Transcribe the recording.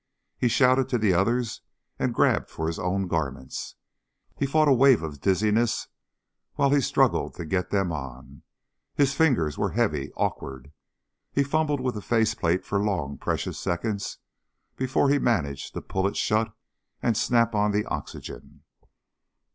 He shouted to the others and grabbed for his own garments. He fought a wave of dizziness while he struggled to get them on. His fingers were heavy, awkward. He fumbled with the face plate for long precious seconds before he managed to pull it shut and snap on the oxygen.